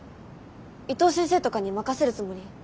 伊藤先生とかに任せるつもり？